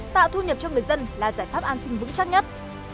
tạo thu nhập cho người dân là giải pháp an sinh vững chắc nhất